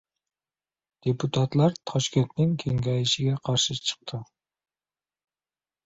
Deputatlar Toshkentning kengayishiga qarshi chiqdi